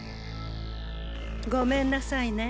ごめんなさいね